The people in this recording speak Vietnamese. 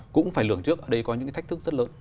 cũng phải lường trước ở đây có những cái thách thức rất lớn